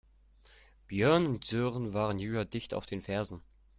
Björn und Sören waren Julia dicht auf den Fersen.